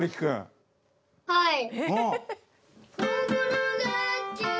はい。